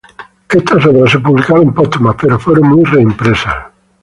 Estas obras se publicaron póstumas pero fueron muy reimpresas.